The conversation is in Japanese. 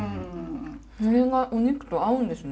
それがお肉と合うんですね。